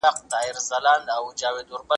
زه به سبا ږغ اورم وم.